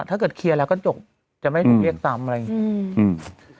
ถ้าเกิดเคลียร์แล้วก็จบจะไม่ถูกเรียกตามอะไรอืม